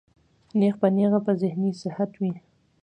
نېغ پۀ نېغه پۀ ذهني صحت وي